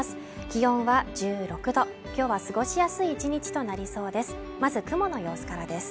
気温は１６度きょうは過ごしやすい１日となりそうです